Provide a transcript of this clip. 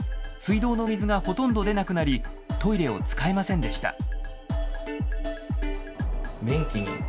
水道の水がほとんど出なくなりトイレを使えませんでした。